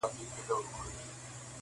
د اولس برخه یې ځانځاني سي -